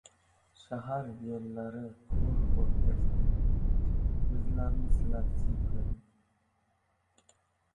Sahar yellari xur-xur esdi. Bizlarni silab-siypadi...